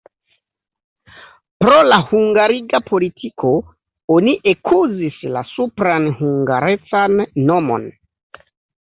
Pro la hungariga politiko oni ekuzis la supran hungarecan nomon.